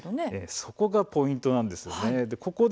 そこがポイントです。